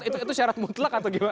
itu syarat mutlak atau gimana